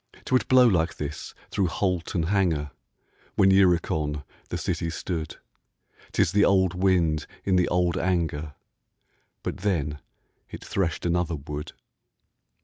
'Twould blow like this through holt and hanger When Uricon the city stood: 'Tis the old wind in the old anger, But then it threshed another wood.